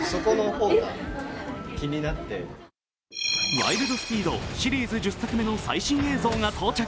「ワイルド・スピード」シリーズ１０作目の最新映像が到着。